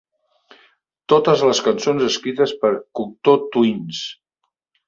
Totes les cançons escrites per Cocteau Twins.